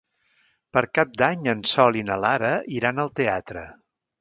Per Cap d'Any en Sol i na Lara iran al teatre.